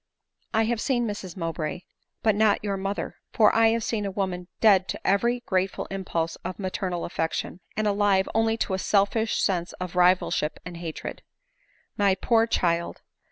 " I have seen Mrs Mowbray, but not your mother ; for I have seen a woman dead to every grateful impulse of maternal affection, and alive only to a selfish sense of rivalship and hatred. My poor child